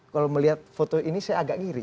kalau melihat foto ini saya agak kiri